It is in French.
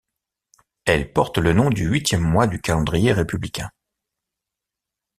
Elle porte le nom du huitième mois du calendrier républicain.